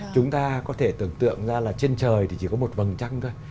chúng ta có thể tưởng tượng ra là trên trời thì chỉ có một vầng trăng thôi